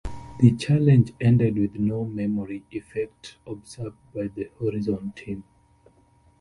The challenge ended with no memory effect observed by the Horizon team.